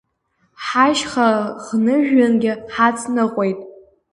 Ҳашьха ӷныжәҩангьы ҳацныҟәеит.